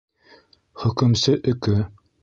Хөкөмсө өкө